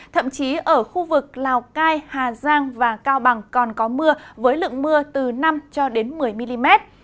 thậm chí ở khu vực lào cai hà giang và cao bằng còn có mưa với lượng mưa từ năm cho đến một mươi mm